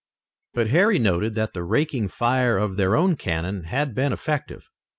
But Harry noted that the raking fire of their own cannon had been effective.